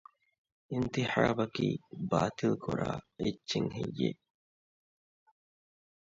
އިންތިޚާބަކީ ބާތިލްކުރާ އެއްޗެއް ހެއްޔެވެ؟